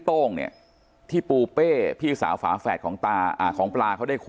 โต้งเนี่ยที่ปูเป้พี่สาวฝาแฝดของตาของปลาเขาได้คุย